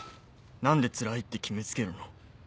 何でつらいって決めつけるの？